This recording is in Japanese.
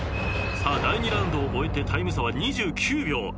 ［さあ第２ラウンドを終えてタイム差は２９秒］